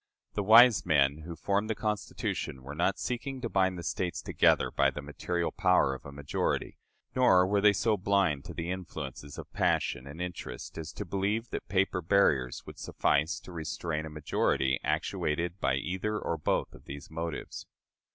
" The wise men who formed the Constitution were not seeking to bind the States together by the material power of a majority; nor were they so blind to the influences of passion and interest as to believe that paper barriers would suffice to restrain a majority actuated by either or both of these motives.